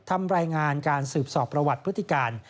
ทำรายงานการสืบสอบประวัติพฤติการ